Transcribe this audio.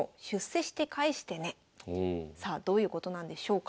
さあどういうことなんでしょうか。